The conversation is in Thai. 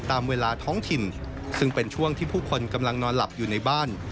ตามเวลาท้องถิ่นซึ่งเป็นช่วงที่ผู้คนกำลังนอนหลับอยู่ในบ้าน